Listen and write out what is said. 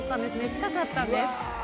近かったんです。